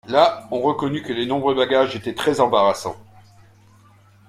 Là, on reconnut que les nombreux bagages étaient très-embarrassants.